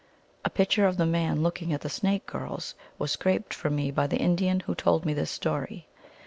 A picture of the man looking at the snake girls was scraped for me by the Indian who told me this story.